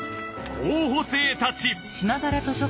候補生たち！